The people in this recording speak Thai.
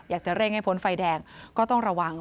อยากจะเร่งให้พ้นไฟแดงก็ต้องระวัง